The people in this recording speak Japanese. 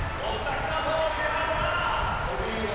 きたぞ宇治原さん。